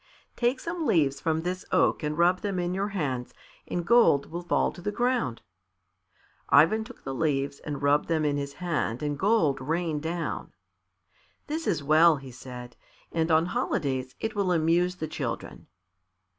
"Take some leaves from this oak and rub them in your hands and gold will fall to the ground." Ivan took the leaves and rubbed them in his hand and gold rained down. "This is well," he said; "on holidays it will amuse the children."